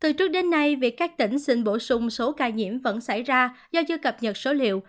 từ trước đến nay việc các tỉnh xin bổ sung số ca nhiễm vẫn xảy ra do chưa cập nhật số liệu